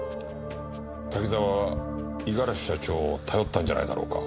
滝沢は五十嵐社長を頼ったんじゃないだろうか。